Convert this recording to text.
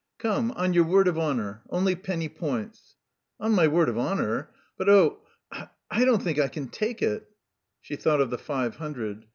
"Come, on your word of honour, only penny points." "On my word of honour.... But, oh, I don't think I can take it." She thought of the five hundred.